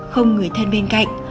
không người thân bên cạnh